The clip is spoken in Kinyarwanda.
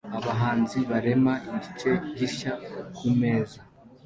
abahanzi barema igice gishya kumeza